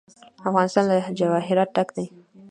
افغانستان له جواهرات ډک دی.